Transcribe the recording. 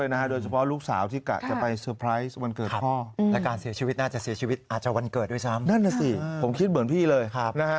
นั่นน่ะสิผมคิดเหมือนพี่เลยนะครับ